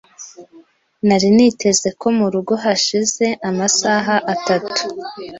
Nari niteze ko murugo hashize amasaha atatu .